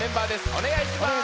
おねがいします。